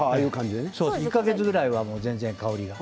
１か月ぐらいは全然香りが。